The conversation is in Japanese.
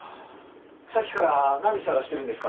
さっきから何探してるんですか？